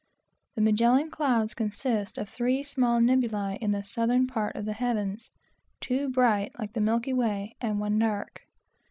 The Magellan Clouds consist of three small nebulae in the southern part of the heavens, two bright, like the milky way, and one dark.